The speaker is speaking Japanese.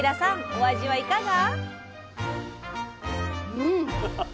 お味はいかが？